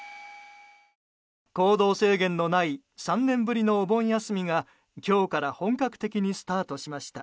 行動制限のない３年ぶりのお盆休みが今日から本格的にスタートしました。